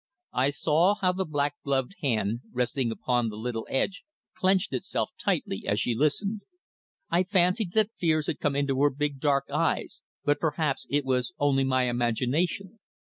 I saw how the black gloved hand, resting upon the little ledge, clenched itself tightly as she listened. I fancied that tears had come into her big, dark eyes, but perhaps it was only my imagination.